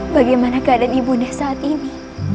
bagaimana keadaan ibu anda saat ini